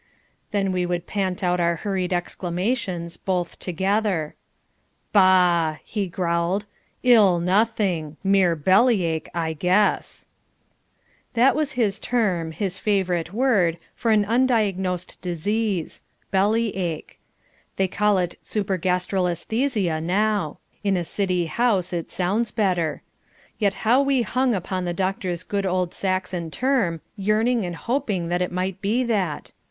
Then we would pant out our hurried exclamations, both together. "Bah!" he growled, "ill nothing! Mere belly ache, I guess." That was his term, his favorite word, for an undiagnosed disease "belly ache." They call it supergastral aesthesia now. In a city house, it sounds better. Yet how we hung upon the doctor's good old Saxon term, yearning and hoping that it might be that.